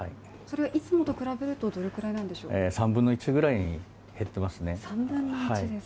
それいつもと比べるとどれくらいなんでしょうか３分の１ぐらい減ってますね